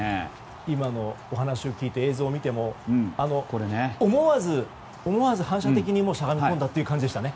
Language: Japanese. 今のお話を聞いて映像を見ても思わず、反射的にかがみ込んだって感じでしたね。